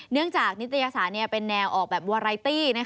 เนื่องจากนิตยศาสตร์เป็นแนวออกแบบวารไลตี้นะคะ